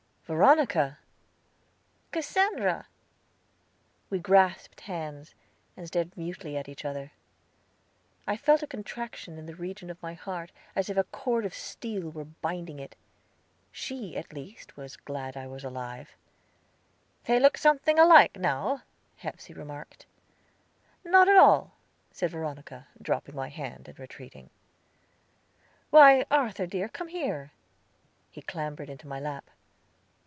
"Veronica!" "Cassandra!" We grasped hands, and stared mutely at each other. I felt a contraction in the region of my heart, as if a cord of steel were binding it. She, at least, was glad that I was alive! "They look something alike now," Hepsey remarked. "Not at all," said Veronica, dropping my hand, and retreating. "Why, Arthur dear, come here!" He clambered into my lap.